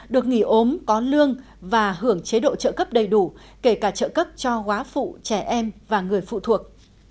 được nghỉ ốm có lương và hưởng chế độ trợ cấp đầy đủ kể cả trợ cấp cho quá phụ trẻ em và người phụ thuộc